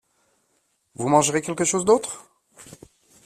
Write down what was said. Vous mangerez quelque chose d'autre ?